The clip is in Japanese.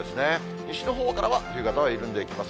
西のほうからは、冬型は緩んでいきます。